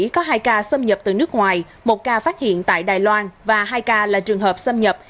có hai ca xâm nhập từ nước ngoài một ca phát hiện tại đài loan và hai ca là trường hợp xâm nhập